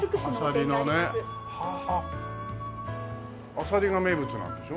アサリが名物なんでしょ？